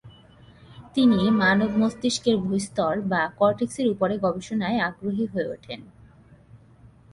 তিনি মানব মস্তিষ্কের বহিঃস্তর বা কর্টেক্সের উপরে গবেষণায় আগ্রহী হয়ে ওঠেন।